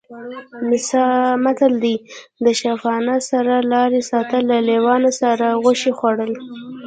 متل دی: د شپانه سره لارې ساتل، له لېوانو سره غوښې خوړل